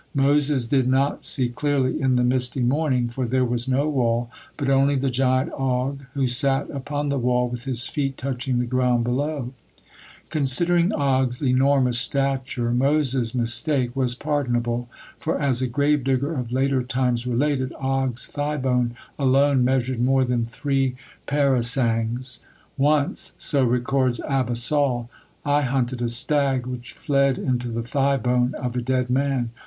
Moses did not see clearly in the misty morning, for there was no wall, but only the giant Og who sat upon the wall with his feet touching the ground below. Considering Og's enormous stature, Moses' mistake was pardonable, for as a grave digger of later times related, Og's thigh bone alone measured more than three parasangs. "Once," so records Abba Saul, "I hunted a stag which fled into the thigh bone of a dead man.